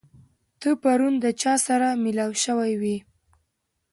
ته پرون د چا سره مېلاو شوی وې؟